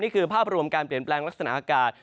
นี่คือภาพรวมการเปลี่ยนแปลงลักษณะอากาศ